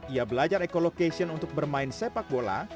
ia belajar ecolocation untuk bermain sepak bola